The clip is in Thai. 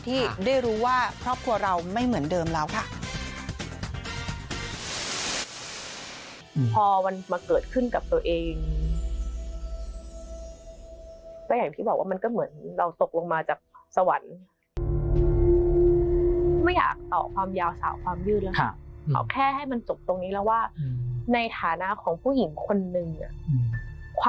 ที่ได้รู้ว่าครอบครัวเราไม่เหมือนเดิมแล้วค่ะ